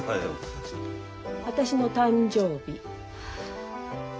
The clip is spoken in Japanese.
私の誕生日。